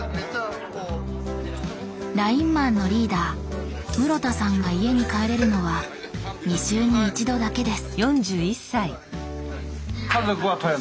ラインマンのリーダー室田さんが家に帰れるのは２週に１度だけです。